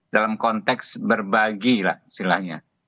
dalam konteks berbagi lah istilahnya